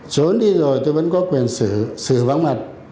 trốn đi rồi tôi vẫn có quyền xử xử vãng mặt